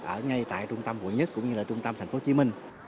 ở ngay tại trung tâm quận nhất cũng như là trung tâm tp hcm